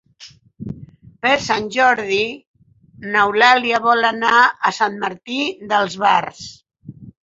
Per Sant Jordi n'Eulàlia vol anar a Sant Martí d'Albars.